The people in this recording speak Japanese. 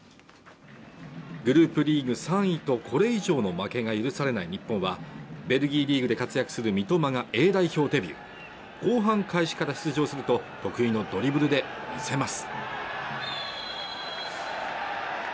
グループリーグ３位とこれ以上の負けが許されない日本はベルギーリーグで活躍する三笘がＡ代表デビュー後半開始から出場すると、得意のドリブルで攻めます。